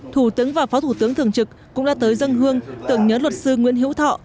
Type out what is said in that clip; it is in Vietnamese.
thủ tướng và phó thủ tướng thường trực cũng đã tới dân hương tưởng nhớ luật sư nguyễn hữu thọ